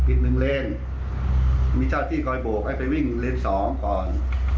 อีกหนึ่งเลนมีเจ้าที่คอยโบกให้ไปวิ่งเลนส์๒ก่อน